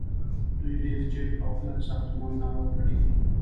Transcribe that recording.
دوی ډیر جګ او پلن ساختمانونه اباد کړي دي.